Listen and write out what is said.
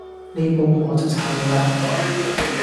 呢鋪我就撐你嘞